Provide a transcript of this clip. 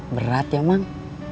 berat ya mang